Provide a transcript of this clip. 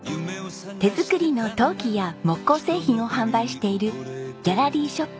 手作りの陶器や木工製品を販売しているギャラリーショップ